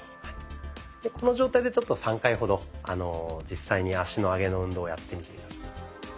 でこの状態でちょっと３回ほど実際に脚の上げの運動をやってみて下さい。